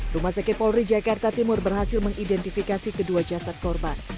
rumah sakit polri jakarta timur berhasil mengidentifikasi kedua jasad korban